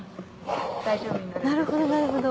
なるほどなるほど。